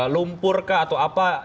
lumpur kah atau apa